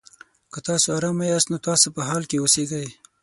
که تاسو ارامه یاست؛ نو تاسو په حال کې اوسېږئ.